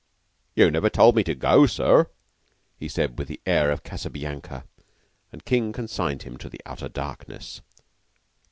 "You never told me to go, sir," he said, with the air of Casabianca, and King consigned him to the outer darkness.